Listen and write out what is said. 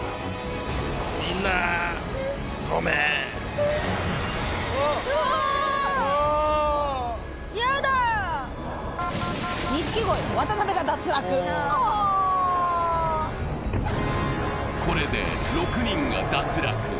みんな、ごめんこれで６人が脱落。